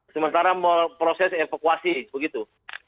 sementara proses evakuasi begitu